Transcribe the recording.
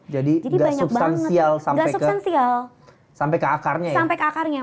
jadi gak substansial sampe ke akarnya ya